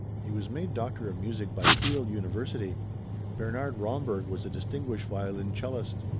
He was made Doctor of Music by Kiel University. Bernhard Romberg was a distinguished violoncellist.